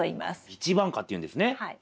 一番果っていうんですねはい。